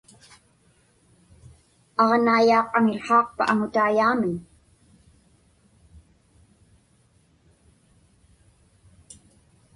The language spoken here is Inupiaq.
Aġnaiyaaq aŋiłhaaqpa aŋutaiyaamiñ?